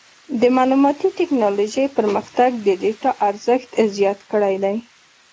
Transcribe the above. د معلوماتي ټکنالوجۍ پرمختګ د ډیټا ارزښت زیات کړی دی.